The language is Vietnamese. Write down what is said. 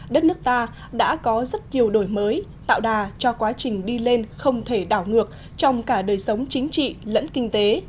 đất nước ta đã có rất nhiều đổi mới tạo đà cho quá trình đi lên không thể đảo ngược trong cả đời sống chính trị lẫn kinh tế